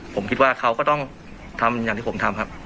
ผมคิดว่าเขาก็ต้องทำอย่างที่ผมทำครับ